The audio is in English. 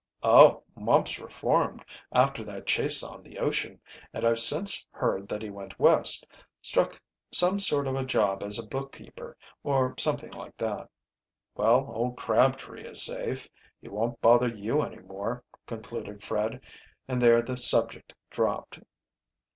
"Oh, Mumps reformed, after that chase on the ocean, and I've since heard that he went West, struck some sort of a job as a bookkeeper, or something like that." "Well, old Crabtree is safe. He won't bother you any more," concluded Fred, and there the subject dropped.